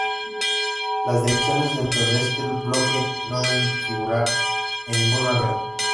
Las direcciones dentro de este bloque no deben figurar en ninguna red.